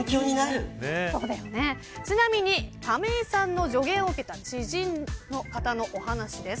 ちなみに亀井さんの助言を受けた知人の方のお話しです。